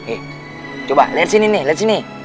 eh coba liat sini nih liat sini